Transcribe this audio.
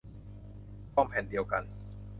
ทองแผ่นเดียวกัน